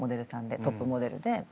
トップモデルで。